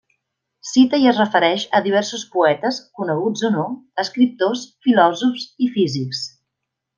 Cita i es refereix a diversos poetes, coneguts o no, escriptors, filòsofs i físics.